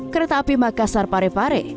kereta api makassar parepare